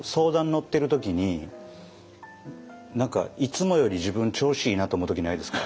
乗ってる時に何かいつもより自分調子いいなと思う時ないですか？